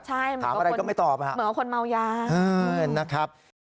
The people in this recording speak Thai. ใช่ถามอะไรก็ไม่ตอบนะครับเหมือนว่าคนเมายา